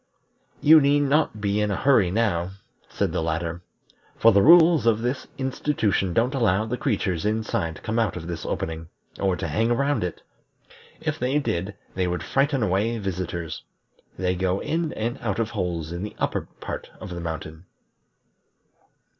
"You need not be in a hurry now," said the latter, "for the rules of this institution don't allow the creatures inside to come out of this opening, or to hang around it. If they did, they would frighten away visitors. They go in and out of holes in the upper part of the mountain."